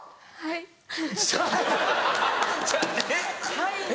「はい」？